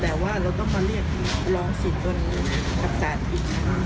แต่ว่าเราก็ต้องมาเรียกรองศีลตัวนี้กับศาลอีกนะครับ